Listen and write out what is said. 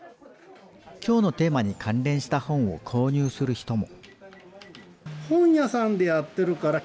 きょうのテーマに関連した本を購入する人も。